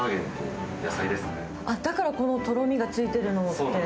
だからこのとろみがついてるのって。